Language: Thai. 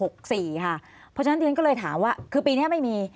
เพราะฉะนั้นเรียนก็เลยถามว่าคือปีนี้ไม่มี